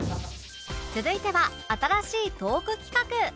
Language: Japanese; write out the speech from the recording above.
続いては新しいトーク企画